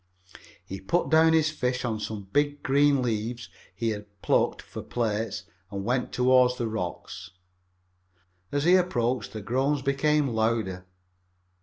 He put down his fish on some big green leaves he had plucked for plates and went toward the rocks. As he approached, the groans became louder.